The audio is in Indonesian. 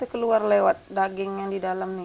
keluar lewat daging yang di dalamnya